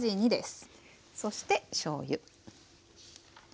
そしてしょうゆ。